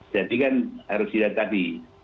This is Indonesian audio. jadi kan harus dilihat tadi